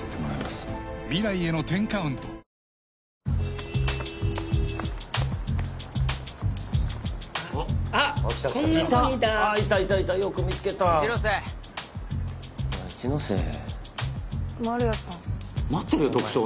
すいません。